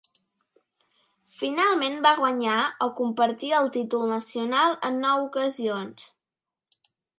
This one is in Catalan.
Finalment va guanyar o compartir el títol nacional en nou ocasions.